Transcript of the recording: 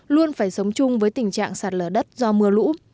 luôn phải sống chung với tình trạng sạt lở đất do mưa lũ